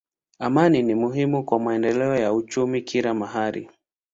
Amani ni muhimu kwa maendeleo ya uchumi kila mahali.